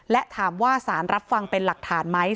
และถามว่าสารรับฟังเป็นหลักฐานไหม